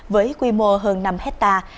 với quy mô hơn năm hectare